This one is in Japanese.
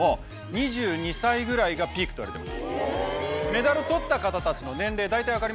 ２２歳ぐらいがピークといわれています。